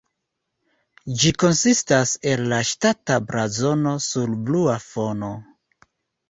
Ĝi konsistas el la ŝtata blazono sur blua fono.